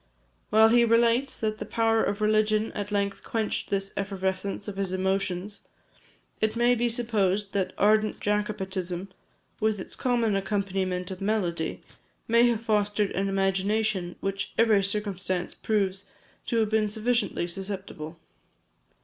While he relates that the power of religion at length quenched this effervescence of his emotions, it may be supposed that ardent Jacobitism, with its common accompaniment of melody, may have fostered an imagination which every circumstance proves to have been sufficiently susceptible.